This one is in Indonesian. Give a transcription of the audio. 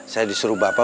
saya disuruh bapak